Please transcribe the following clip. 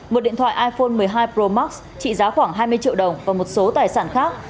một điện thoại iphone một mươi hai pro max trị giá khoảng hai mươi triệu đồng và một số tài sản khác